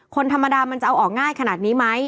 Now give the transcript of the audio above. คนธรรมดามันจะเอาออกง่ายขนาดนี้ไหม